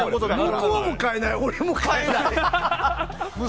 向こうも変えない俺も変えない。